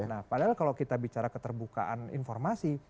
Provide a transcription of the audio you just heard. nah padahal kalau kita bicara keterbukaan informasi